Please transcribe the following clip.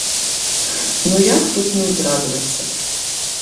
Ну як тут не ўзрадавацца.